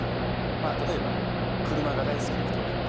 まあ例えば車が大好きな人がいっぱい集まって。